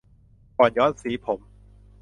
ก่อนย้อมสีผม